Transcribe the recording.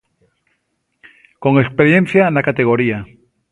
Con experiencia na categoría.